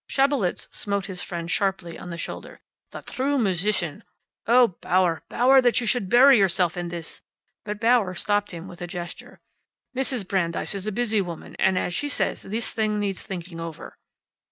Schabelitz smote his friend sharply on the shoulder "The true musician! Oh, Bauer, Bauer! That you should bury yourself in this " But Bauer stopped him with a gesture. "Mrs. Brandeis is a busy woman. And as she says, this thing needs thinking over."